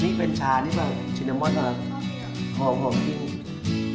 นี่เป็นชานี่หรือเปล่าชินโนมอนอะไรห่วงที่นี่